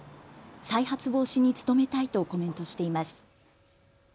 再発防止に努めたいとコメントしています。